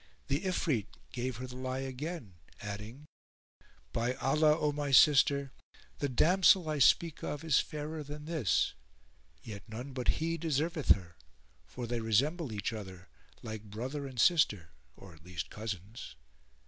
The Ifrit gave her the lie again, adding, "By Allah, O my sister, the damsel I speak of is fairer than this; yet none but he deserveth her, for they resemble each other like brother and sister or at least cousins.